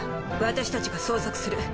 私たちが捜索する。